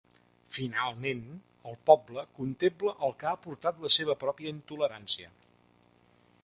Finalment, el poble contempla el que ha portat la seva pròpia intolerància.